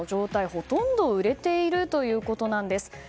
ほとんど売れているということです。